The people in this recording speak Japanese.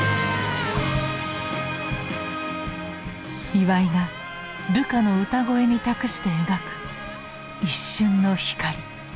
岩井がルカの歌声に託して描く一瞬の光。